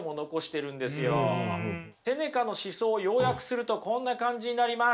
セネカの思想を要約するとこんな感じになります。